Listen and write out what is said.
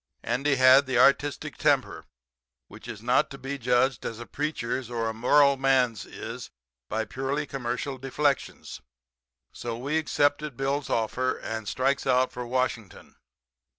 Andy had the artistic temper, which is not to be judged as a preacher's or a moral man's is by purely commercial deflections. So we accepted Bill's offer, and strikes out for Washington.